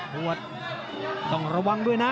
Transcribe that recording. ปวดต้องระวังด้วยนะ